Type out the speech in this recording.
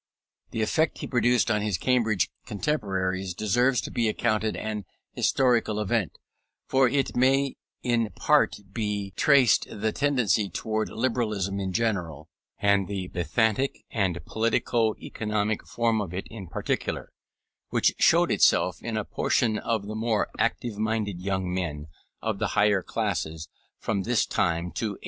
The effect he produced on his Cambridge contemporaries deserves to be accounted an historical event; for to it may in part be traced the tendency towards Liberalism in general, and the Benthamic and politico economic form of it in particular, which showed itself in a portion of the more active minded young men of the higher classes from this time to 1830.